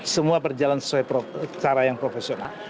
semua berjalan secara yang profesional